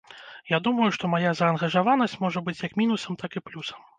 Я думаю што мая заангажаванасць можа быць як мінусам так і плюсам.